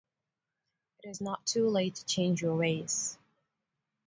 It is not too late to change your ways.